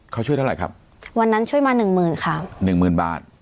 เขาช่วยเท่าไหร่ครับวันนั้นช่วยมาหนึ่งหมื่นค่ะหนึ่งหมื่นบาท